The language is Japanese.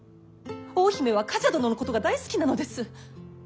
大姫は冠者殿のことが大好きなのです。